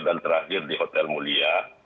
dan terakhir di hotel mulia